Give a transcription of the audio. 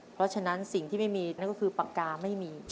เพราะฉะนั้นสิ่งที่ไม่มีนั่นก็คือปากกาไม่มี